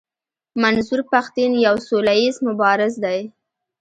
منظور پښتين يو سوله ايز مبارز دی.